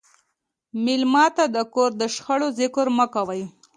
مېلمه ته د کور د شخړو ذکر مه کوه.